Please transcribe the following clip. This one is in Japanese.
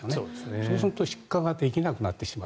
そうすると出荷ができなくなってしまう。